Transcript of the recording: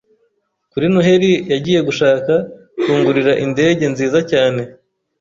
Kuri Noheri yagiye gushaka kungurira indege nziza cyane.